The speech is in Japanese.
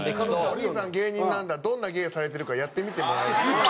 お兄さん芸人なんだどんな芸されてるかやってみてもらえる？みたいな。